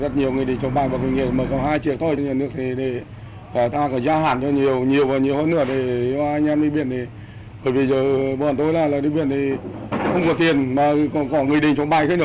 từ bữa hôm tối là địa phương không có tiền mà có nghị định số bảy